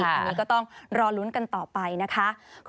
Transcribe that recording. อันนี้ก็ต้องรอลุ้นกันต่อไปนะคะ